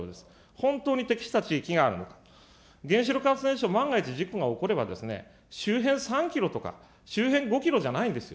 本当に適した地域があるのか、原子力発電所、万が一事故が起これば、周辺３キロとか周辺５キロじゃないんですよ。